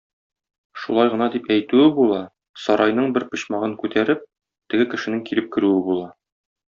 Шулай гына дип әйтүе була, сарайның бер почмагын күтәреп, теге кешенең килеп керүе була.